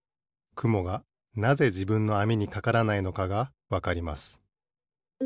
くもがなぜじぶんのあみにかからないのかがわかります。